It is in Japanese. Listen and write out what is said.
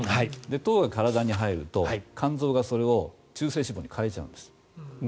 糖が体に入ると肝臓がそれを中性脂肪に変えちゃうんです。